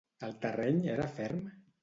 El terreny era ferm?